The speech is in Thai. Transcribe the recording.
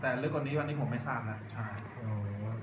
แต่ว่าเมืองนี้ก็ไม่เหมือนกับเมืองอื่น